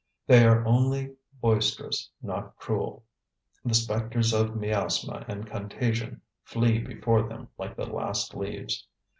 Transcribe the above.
They are only boisterous, not cruel. The specters of miasma and contagion flee before them like the last leaves.